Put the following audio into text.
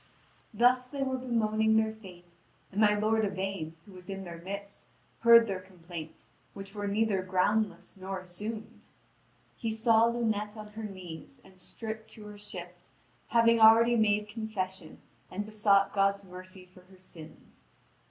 (Vv. 4385 4474.) Thus they were bemoaning their fate; and my lord Yvain who was in their midst, heard their complaints, which were neither groundless nor assumed. He saw Lunete on her knees and stripped to her shift, having already made confession, and besought God's mercy for her sins.